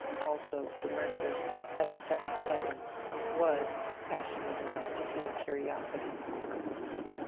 Also, the mercer, as a second cousin, was dispassionate enough to feel curiosity.